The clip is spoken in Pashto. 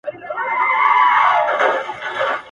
ټولو هېر کړل توپانونه توند بادونه ..